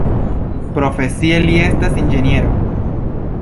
Profesie li estas inĝeniero.